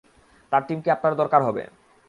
তার টিমকে আপনার দরকার হবে।